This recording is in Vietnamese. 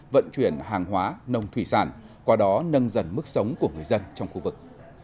vận chuyển hàng hóa nông thủy sản qua đó nâng dần mức sống của người dân trong khu vực